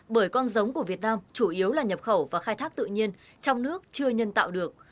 bởi con giống của việt nam chủ yếu là nhập khẩu và khai thác tự nhiên trong nước chưa nhân tạo được